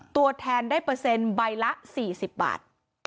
ตัวแทนได้เปอร์เซ็นต์ใบละ๔๐บาท